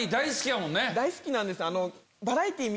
大好きなんです。